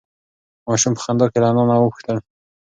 ماشوم په خندا کې له انا نه وپوښتل.